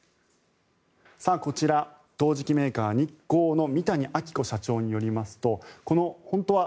こちら、陶磁器メーカーニッコーの三谷明子社長によりますとこの、本当は